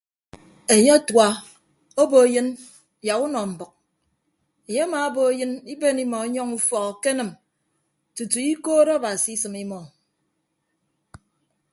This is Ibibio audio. Enye atua obo eyịn yak unọ mbʌk enye amaabo eyịn iben imọ yọñ ufọk kenịm tutu ikoot abasi asịm imọ.